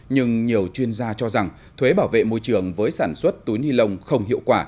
nhưng nhiều chuyên gia cho rằng thuế bảo vệ môi trường với sản xuất túi ni lông không hiệu quả